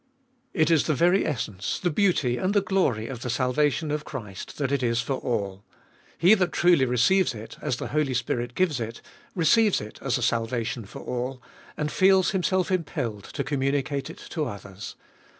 1. It is the very essence, the beauty, and the glory of the salvation of Christ, that it is for all. He that truly receives It, as the Holy Spirit gives it, receives it as a salvation for all, and feels himself impelled to communicate It to others.